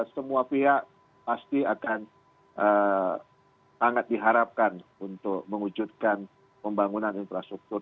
semua pihak pasti akan sangat diharapkan untuk mewujudkan pembangunan infrastruktur